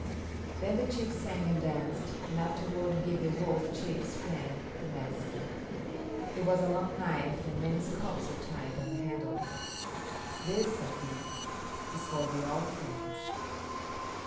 Then the chief sang and danced, and afterward he gave the Wolf chief's friend the medicine. It was a long knife and many scalps were tied on the handle. "This," said he, "is for the All Friends."